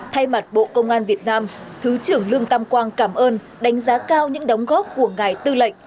thay mặt bộ công an việt nam thứ trưởng lương tam quang cảm ơn đánh giá cao những đóng góp của ngài tư lệnh